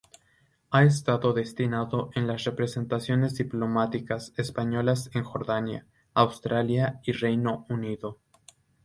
Ha estado destinado en las representaciones diplomáticas españolas en Jordania, Australia y Reino Unido.